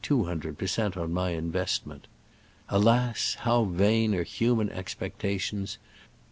two hundred per cent, on my investment. Alas! how vain are human expectations